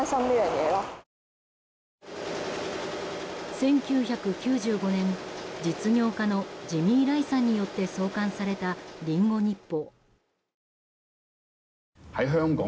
１９９５年、実業家のジミー・ライさんによって創刊されたリンゴ日報。